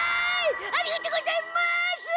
ありがとうございます！